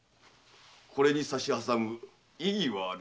これに差し挟む異議はあるか？